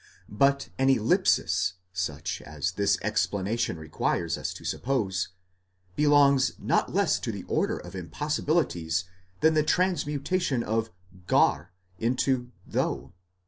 But an ellipsis such as this explanation requires us to suppose, belongs not less to the order of impossibilities than the transmutation of γὰρ into though.